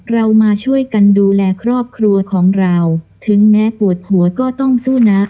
เรามาช่วยกันดูแลครอบครัวของเราถึงแม้ปวดหัวก็ต้องสู้นะ